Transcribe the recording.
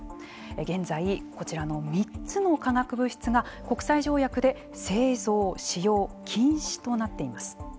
現在、こちらの３つの化学物質が国際条約で製造・使用禁止となっています。